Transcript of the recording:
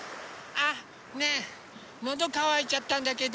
あ！あっねえのどかわいちゃったんだけど。